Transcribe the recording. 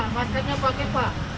maskernya pakai pak